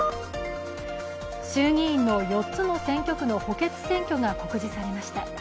衆議院の４つの選挙区の補欠選挙が告示されました。